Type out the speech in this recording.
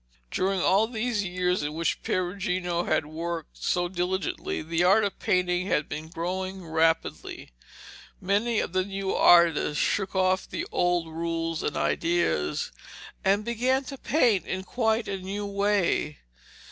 During all these years in which Perugino had worked so diligently, the art of painting had been growing rapidly. Many of the new artists shook off the old rules and ideas, and began to paint in quite a new way.